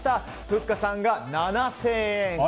ふっかさんが７０００円。